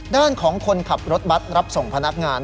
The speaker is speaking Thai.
ด้านของคนขับรถบัตรรับส่งพนักงาน